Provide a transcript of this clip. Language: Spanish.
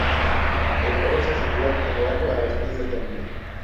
El coro se sitúa en lo alto a los pies del templo.